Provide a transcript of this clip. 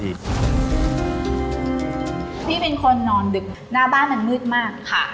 พี่เป็นคนนอนดึกหน้าบ้านมันมืดมากค่ะ